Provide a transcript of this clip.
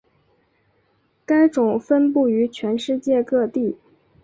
该种分布于全世界各地。